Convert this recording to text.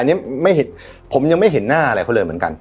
อันนี้ไม่เห็นผมยังไม่เห็นหน้าอะไรเขาเลยเหมือนกัน